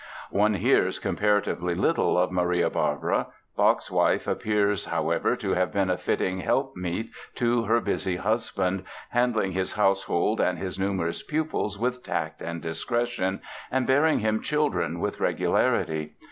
One hears comparatively little of Maria Barbara. Bach's wife appears, however, to have been a fitting helpmeet to her busy husband, handling his household and his numerous pupils with tact and discretion and bearing him children with regularity.